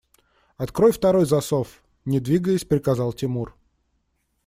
– Открой второй засов! – не двигаясь, приказал Тимур.